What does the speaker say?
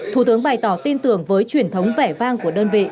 thủ tướng bày tỏ tin tưởng với truyền thống vẻ vang của đơn vị